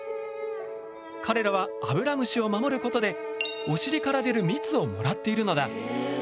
彼らはアブラムシを守ることでお尻から出る蜜をもらっているのだ。